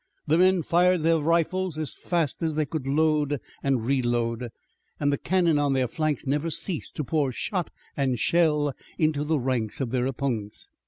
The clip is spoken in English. The men fired their rifles as fast as they could load and reload, and the cannon on their flanks never ceased to pour shot and shell into the ranks of their opponents.